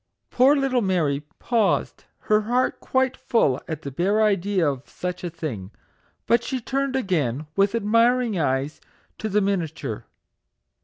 Poor little Mary paused, her heart quite full at the bare idea of such a thing; but she turned again, with admiring eyes, to the miniature.